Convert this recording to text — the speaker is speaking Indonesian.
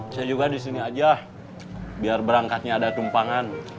saya juga di sini aja biar berangkatnya ada tumpangan